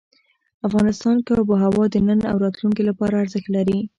افغانستان کې آب وهوا د نن او راتلونکي لپاره ارزښت لري.